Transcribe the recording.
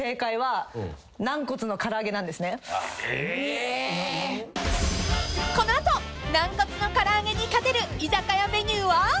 ［なんこつの唐揚げに勝てる居酒屋メニューは？］